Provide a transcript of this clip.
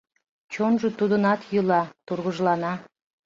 Чонжо тудынат йӱла, тургыжлана.